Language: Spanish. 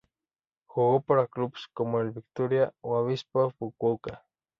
Jugó para clubes como el Vitória y Avispa Fukuoka.